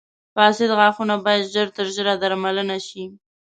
• فاسد غاښونه باید ژر تر ژره درملنه شي.